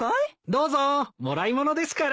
どうぞもらい物ですから。